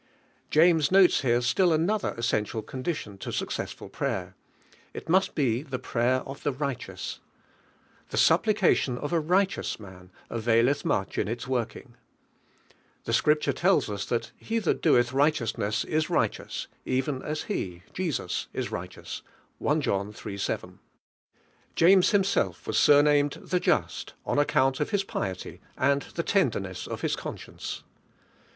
James notes here still another essen tial condition to successful prayer: it must he the prayer of the righteous, "The supplication of a, righteous man availeih much in its working." The Scriptnre tells us that "ha that doeth righteousness is righteous, men as He (Jeans) is righloous"' (I. John iii. 7). James himself was surnamed "The Just," on ar ea ant of his piety and the tenderness of his conscience.